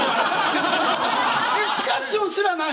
ディスカッションすらない？